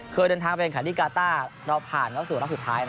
เคยเดินทางไปแข่งขันที่กาต้าเราผ่านเข้าสู่รอบสุดท้าย